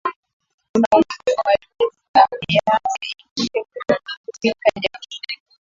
kuna umuhimu wa elimu ya viazi lishe kufikia jamii